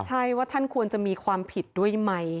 ใช่ว่าท่านควรจะมีความผิดด้วยไหม